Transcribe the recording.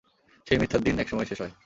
সেই মিথ্যার দিন একসময়ে শেষ হয়।